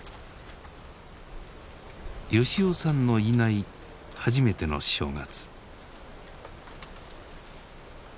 吉男さんのいない初めての正月。